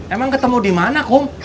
emang ketemu di mana om